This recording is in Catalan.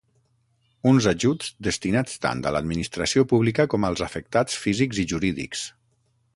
Uns ajuts destinats tant a l’administració pública com als afectats físics i jurídics.